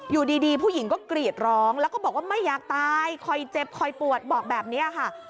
อยู่ดีผู้หญิงก็กรีดร้องแล้วก็บอกว่าไม่อยากตายคอยเจ็บคอยปวดบอกแบบนี้ค่ะ